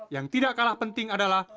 yang tidak kalah penting adalah